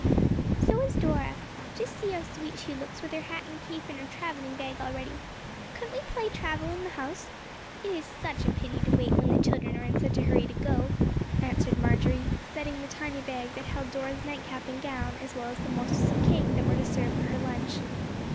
"So is Dora. Just see how sweet she looks with her hat and cape on and her travelling bag all ready. Couldn't we play travel in the house? It is such a pity to wait when the children are in such a hurry to go," answered Marjory, settling the tiny bag that held Dora's nightcap and gown as well as the morsels of cake that were to serve for her lunch.